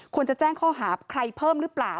ควรจะแจ้งข้อหาใครเพิ่มหรือเปล่า